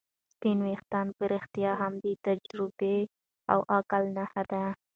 سپین ويښتان په رښتیا هم د تجربې او عقل نښه ده.